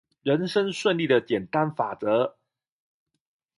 人生順利的簡單法則